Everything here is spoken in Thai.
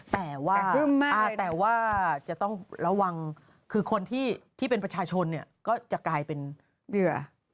แต่ว่าจะต้องระวังคือคนที่เป็นประชาชนก็จะกลายเป็นเหลือ